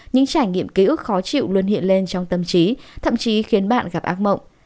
những trải nghiệm ký ức khó chịu luôn hiện lên trong tâm trí thậm chí khiến bạn gặp ác mộng